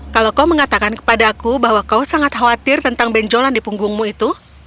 kalau kau mengatakan kepada aku bahwa kau sangat khawatir tentang benjolan di punggungmu itu